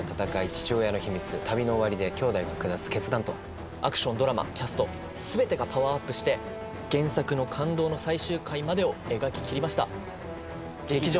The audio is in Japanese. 父親の秘密旅の終わりで兄弟が下す決断とは⁉アクションドラマキャスト全てがパワーアップして原作の感動の最終回までを描き切りました